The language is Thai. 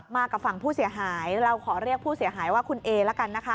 มากับฝั่งผู้เสียหายเราขอเรียกผู้เสียหายว่าคุณเอละกันนะคะ